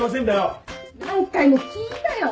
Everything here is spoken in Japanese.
何回も聞いたよ！